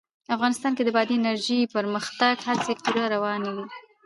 افغانستان کې د بادي انرژي د پرمختګ هڅې پوره روانې دي.